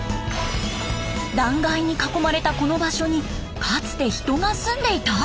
断崖に囲まれたこの場所にかつて人が住んでいた！？